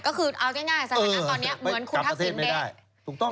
ก็คือเอาง่ายสถานะตอนนี้เหมือนคุณทักษิณเดชน์